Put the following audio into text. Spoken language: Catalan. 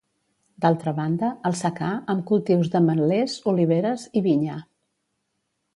D'altra banda, el secà, amb cultius d'ametlers, oliveres i vinya.